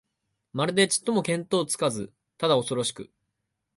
まるでちっとも見当つかず、ただおそろしく、